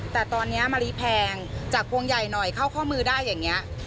แต่ตอนนี้มะลิแพงจากพวงใหญ่หน่อยเข้าข้อมือได้อย่างนี้